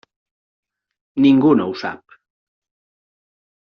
Ningú no ho sap.